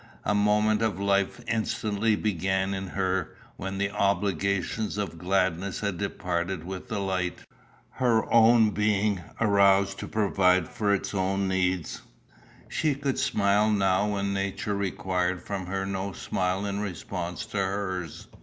A movement of life instantly began in her when the obligation of gladness had departed with the light. Her own being arose to provide for its own needs. She could smile now when nature required from her no smile in response to hers.